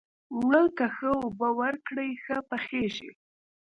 اوړه که ښه اوبه ورکړې، ښه پخیږي